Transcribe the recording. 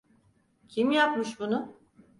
Kim yapmış bunu?